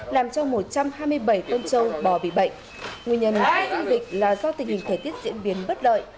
nguyên châu bò bị bệnh nguyên nhân của dịch là do tình hình thể tiết diễn biến bất đợi